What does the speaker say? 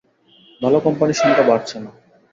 ভালো কোম্পানির সংখ্যা বাড়ছে না।